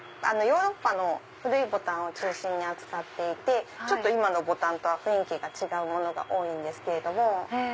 ヨーロッパの古いボタンを中心に扱っていて今のボタンとは雰囲気が違うものが多いんです。